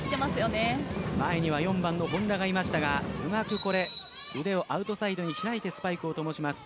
前には４番の本田がいましたがうまくアウトサイドに開いてスパイクを飛ばします。